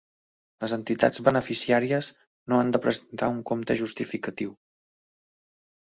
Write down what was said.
Les entitats beneficiàries no han de presentar un compte justificatiu.